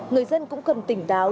người dân cũng cần tỉnh táo